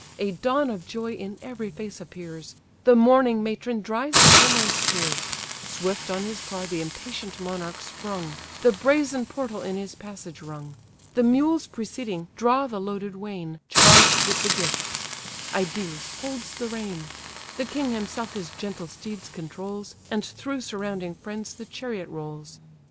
A dawn of joy in every face appears: The mourning matron dries her timorous tears: Swift on his car the impatient monarch sprung; The brazen portal in his passage rung; The mules preceding draw the loaded wain, Charged with the gifts: Idæus holds the rein: The king himself his gentle steeds controls, And through surrounding friends the chariot rolls.